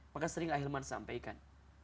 maka sering ahilman sampaikan